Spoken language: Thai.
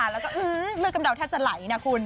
แล้วก็เลือดกำเดาแทบจะไหลนะคุณ